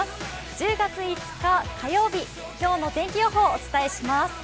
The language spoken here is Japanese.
１０月５日火曜日、今日の天気予報をお伝えします。